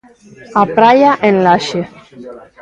Á praia en Laxe...